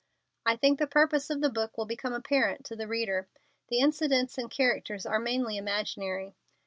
I think the purpose of the book will become apparent to the reader. The incidents and characters are mainly imaginary.